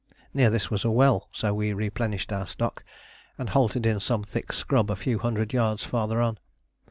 Near this was a well; so we replenished our stock, and halted in some thick scrub a few hundred yards farther on.